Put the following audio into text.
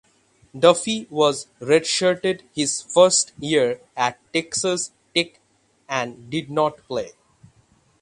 Duffey was redshirted his first year at Texas Tech and did not play.